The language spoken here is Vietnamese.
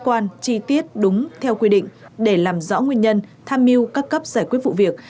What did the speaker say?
quan chi tiết đúng theo quy định để làm rõ nguyên nhân tham mưu các cấp giải quyết vụ việc